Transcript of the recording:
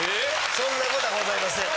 そんな事はございません。